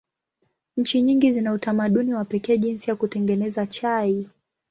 Nchi nyingi zina utamaduni wa pekee jinsi ya kutengeneza chai.